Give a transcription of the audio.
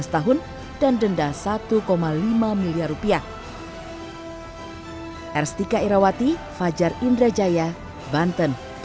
lima belas tahun dan denda satu lima miliar rupiah